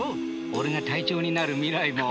俺が隊長になる未来も。